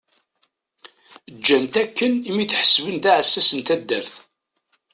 Ǧǧan-t akken imi t-ḥesben d aɛessas n taddart.